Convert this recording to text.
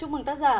chúc mừng các giả